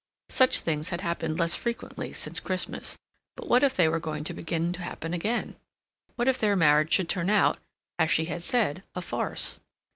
Such things had happened less frequently since Christmas, but what if they were going to begin to happen again? What if their marriage should turn out, as she had said, a farce?